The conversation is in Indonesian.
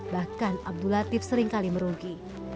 bahkan abdul latif seringkali merugi